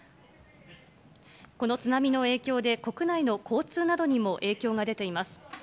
この津波の影響で、国内の交通などにも影響が出ています。